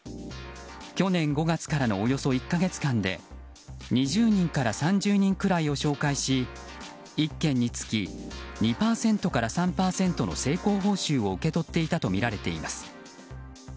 去年５月からのおよそ１か月間で２０人から３０人くらいを紹介し１件につき２％から３％の成功報酬を受け取っていたとみられています。